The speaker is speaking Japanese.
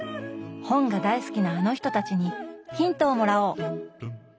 本が大好きなあの人たちにヒントをもらおう！